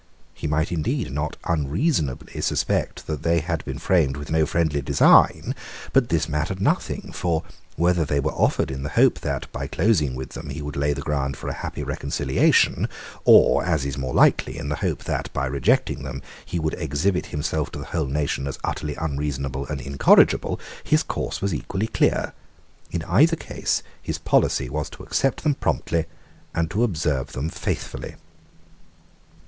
He might indeed not unreasonably suspect that they had been framed with no friendly design: but this mattered nothing; for, whether they were offered in the hope that, by closing with them, he would lay the ground for a happy reconciliation, or, as is more likely, in the hope that, by rejecting them, he would exhibit himself to the whole nation as utterly unreasonable and incorrigible, his course was equally clear. In either case his policy was to accept them promptly and to observe them faithfully.